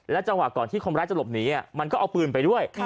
จังหวะก่อนที่คนร้ายจะหลบหนีมันก็เอาปืนไปด้วย